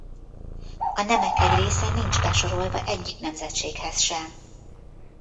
A nemek egy része nincs besorolva egyik nemzetséghez sem.